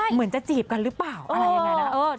เหมือนจะจีบกันหรือเปล่าอะไรยังไงนะ